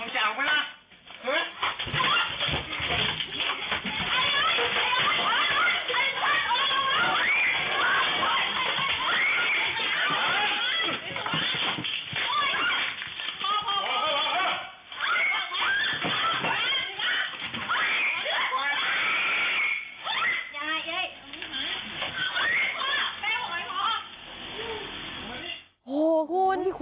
ช่วงนี้คุณจะยินด้วย